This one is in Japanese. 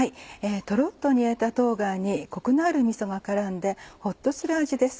とろっと煮えた冬瓜にコクのあるみそが絡んでほっとする味です。